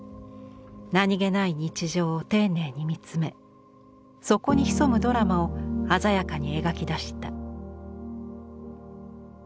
何気ない日常を丁寧に見つめそこに潜むドラマを鮮やかに描き出した。